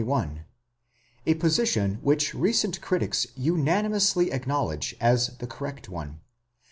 18 21; a position which recent critics unanimously acknowledge as the correct one.